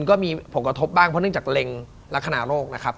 ก็มีผลกระทบบ้างเพราะเนื่องจากเล็งลักษณะโรคนะครับ